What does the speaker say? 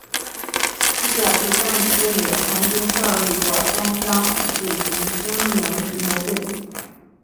其表弟战玉飞也曾经效力过三商虎队及兴农牛队。